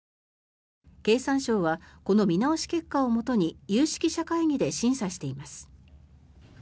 経産省はこの見直し結果をもとに有識者会議で審査しています。